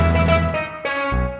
sama lebaran ya bang